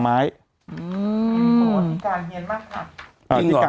ฟังลูกครับ